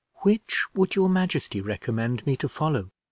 "Which would your majesty recommend me to follow?"